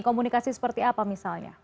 komunikasi seperti apa misalnya